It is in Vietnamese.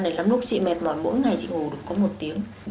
này lắm lúc chị mệt mỏi mỗi ngày chị ngủ được có một tiếng